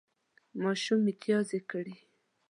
ماشوم متیازې کړې